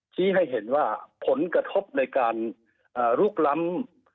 ชี้ให้เห็นว่าผลกระทบในการลุกล้ำ